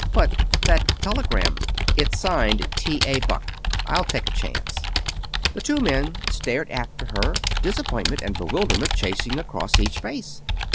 "But that telegram " "It's signed, 'T. A. Buck.' I'll take a chance." The two men stared after her, disappointment and bewilderment chasing across each face.